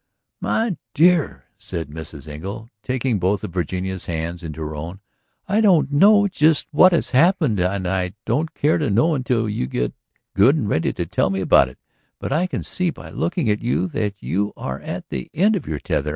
"My dear," said Mrs. Engle, taking both of Virginia's hands into her own, "I don't know just what has happened and I don't care to know until you get good and ready to tell me about it. But I can see by looking at you that you are at the end of your tether.